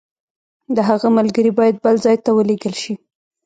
د هغه ملګري باید بل ځای ته ولېږل شي.